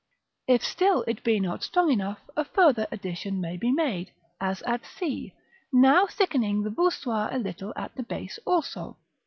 If still it be not strong enough, a farther addition may be made, as at c, now thickening the voussoirs a little at the base also.